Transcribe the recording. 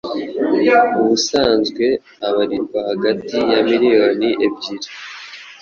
ubusanzwe ubarirwa hagati ya Miliyoni ebyiri